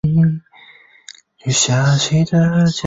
大急流城是一个位于美国明尼苏达州伊塔斯加县的都市。